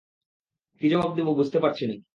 কী জবাব দিবো বুঝতে পারছি না।